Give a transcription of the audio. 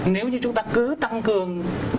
nếu như chúng ta cứ tăng cường